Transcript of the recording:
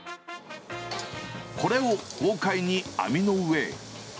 これを豪快に網の上へ。